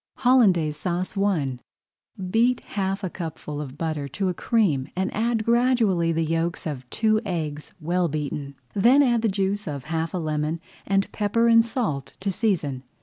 HOLLANDAISE SAUCE I Beat half a cupful of butter to a cream and add gradually the yolks of two eggs well beaten. Then add the juice of half a lemon and pepper and salt to season.